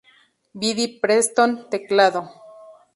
Billy Preston, teclado